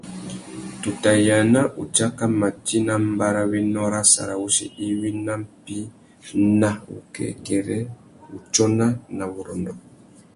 Tu tà yāna utsáka mati nà mbarrawénô râ sarawussi iwí nà mpí ná wukêkêrê, wutsôna na wurrôndô.